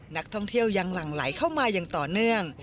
นักท่องเที่ยวยังหลั่งไหลเข้ามาอย่างต่อเนื่อง